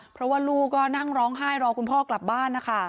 เพราะว่าลูกก็นั่งร้องไห้รอคุณพ่อกลับบ้านนะคะ